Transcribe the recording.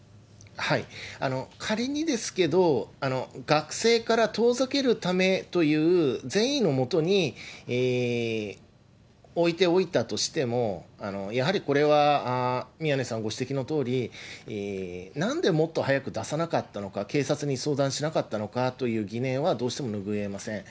仮にですけど、学生から遠ざけるためという善意のもとに置いておいたとしても、やはりこれは宮根さんご指摘のとおり、なんでもっと早く出さなかったのか、警察に相談しなかったのかという疑念はどうしても拭えません。